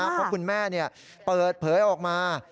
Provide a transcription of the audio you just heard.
เพราะคุณแม่เปิดเผยออกมา